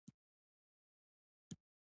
که ویلچر وي نو معلول نه پاتیږي.